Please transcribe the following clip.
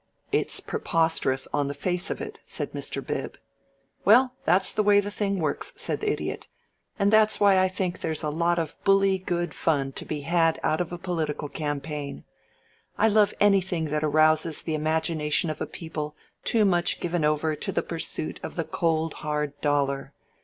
"It's preposterous on the face of it," said Mr. Bib. "Well, that's the way the thing works," said the Idiot. "And that's why I think there's a lot of bully good fun to be had out of a political campaign. I love anything that arouses the imagination of a people too much given over to the pursuit of the cold, hard dollar.